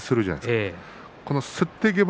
かすっていけば